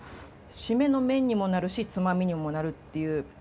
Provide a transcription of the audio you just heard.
締めの麺にもなるしつまみにもなるっていう。